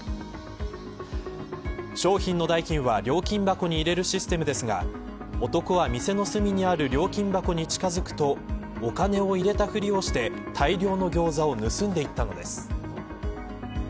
商品の代金は料金箱に入れるシステムですが男は、店の隅にある料金箱に近づくとお金を入れたふりをして大量のギョーザを盗んでいったのです。